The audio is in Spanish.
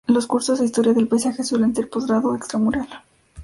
Los cursos de historia del paisaje suelen ser de posgrado o "extra mural".